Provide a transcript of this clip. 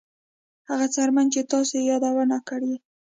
هغه څرمن چې تاسو یې یادونه کړې